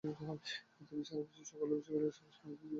তিনি সারা বিশ্বে সর্বকালের অন্যতম সেরা সেনাপতি হিসেবে সুপরিচিত।